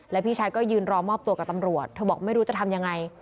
แล้วพี่ชายก็ยืนรอมอบตัวกับตำรวจเธอบอกไม่รู้จะทำยังไง